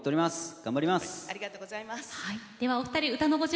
頑張ります。